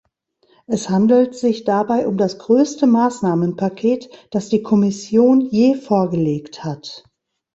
Es handelt sich dabei um das größte Maßnahmenpaket, das die Kommission je vorgelegt hat.